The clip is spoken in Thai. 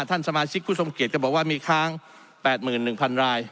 ท่านสมาชิกคุณสมเกียจก็บอกว่ามีค้างแปดหมื่นหนึ่งพันราย